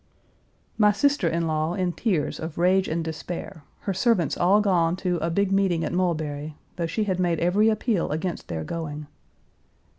My sister in law in tears of rage and despair, her servants all gone to "a big meeting at Mulberry," though she had made every appeal against their going.